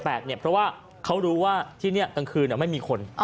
เพราะว่าเขารู้ว่าที่นี่กลางคืนไม่มีคน